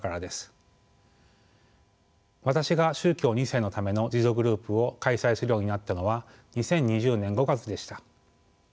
私が宗教２世のための自助グループを開催するようになったのは２０２０年５月でした。